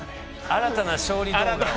新たな勝利動画を？